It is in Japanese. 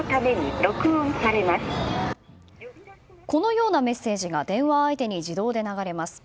このようなメッセージが電話相手に自動で流れます。